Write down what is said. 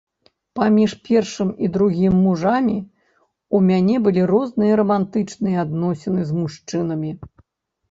Паміж першым і другім мужамі ў мяне былі розныя рамантычныя адносіны з мужчынамі.